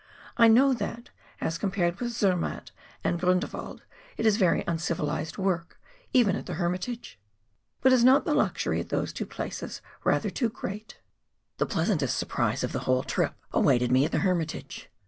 I know that, as compared with Zermatt and Grindelwald, it is very uncivilised work even at the Hermitage. But is not the luxury at those two places rather too great ? A PASS TO THE HERMITAGE. 279 The pleasantest surprise of the whole trip awaited me at the Hermitage.